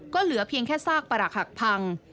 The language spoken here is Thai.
ก็เหลือเพียงแค่ซากประหลักหักพัง